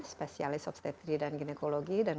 spesialis obstetri dan ginekologi dan